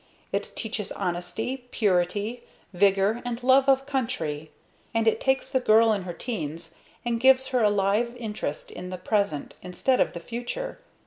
It teaches honesty, purity, vigor and love of country. And it takes the girl in her 'teens and gives her a live interest in the present instead of the future.